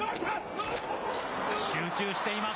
集中しています。